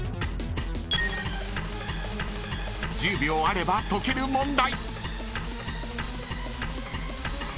［１０秒あれば解ける問題］